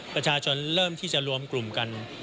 ประชาชนเริ่มที่จะรวมกลุ่มกัน